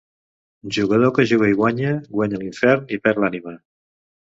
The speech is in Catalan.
Jugador que juga i guanya, guanya l'infern i perd l'ànima.